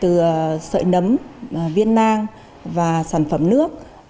từ sợi nấm viên nang và sản phẩm nước